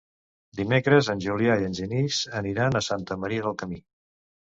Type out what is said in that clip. Dimecres en Julià i en Genís aniran a Santa Maria del Camí.